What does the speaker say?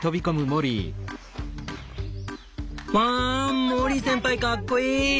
モリー先輩かっこいい！